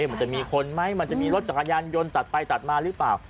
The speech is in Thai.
มันจะมีคนไหมมันจะมีรถจักรยานยนต์ตัดไปตัดมาหรือเปล่า